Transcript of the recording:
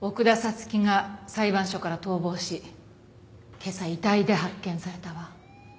月が裁判所から逃亡し今朝遺体で発見されたわ。